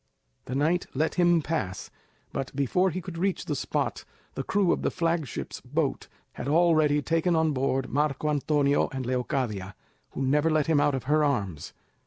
The knight let him pass, but before he could reach the spot, the crew of the flagship's boat had already taken on board Marco Antonio and Leocadia, who never let him out of her arms.